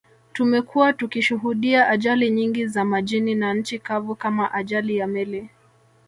Tumekuwa tukishuhudia ajali nyingi za majini na nchi kavu kama ajali ya meli